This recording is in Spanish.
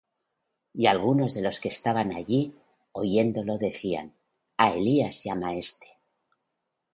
Y algunos de los que estaban allí, oyéndolo, decían: A Elías llama éste.